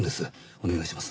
お願いします。